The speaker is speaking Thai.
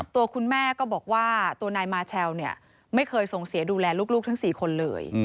ตัวคุณแม่ก็บอกว่าตัวนายมาเชลไม่เคยส่งเสียดูแลลูกทั้ง๔คนเลย